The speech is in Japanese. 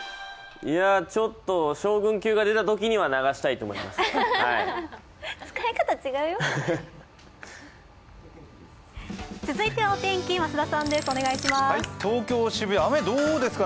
いや、ちょっと将軍級が出たときには流したいと思います。